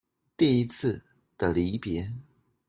第一次的離別